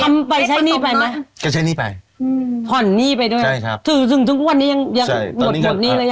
ทำไปใช้หนี้ไปไหมก็ใช้หนี้ไปอือถ่อนจึงถึงวันนี้แย่งอร้อย